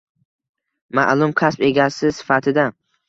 Ma’lum kasb egasi sifatida?